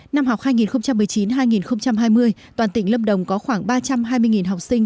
năm học hai nghìn một mươi chín hai nghìn hai mươi toàn tỉnh lâm đồng có khoảng ba trăm hai mươi học sinh